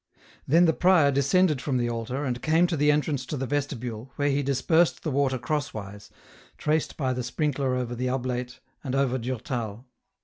Then the prior descended from the altar, and came to the entrance to the vestibule, where he dispersed the water crosswise, traced by the sprinkler over the oblate, and over Durtal.